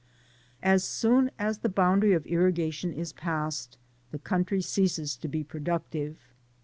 As jBoon as the line of irrigation is passed, the country ceases to be productive.